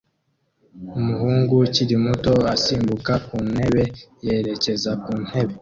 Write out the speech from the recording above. Umuhungu ukiri muto asimbuka ku ntebe yerekeza ku ntebe